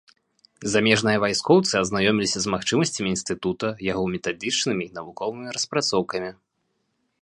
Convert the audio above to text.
Замежныя вайскоўцы азнаёміліся з магчымасцямі інстытута, яго метадычнымі і навуковымі распрацоўкамі.